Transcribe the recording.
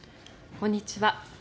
こんにちは。